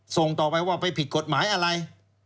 ส่งต่อไปว่าไปผิดกฎหมายอะไร